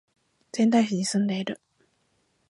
仙台市に住んでいる